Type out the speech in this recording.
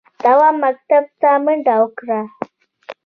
تواب مکتب ته منډه کړه.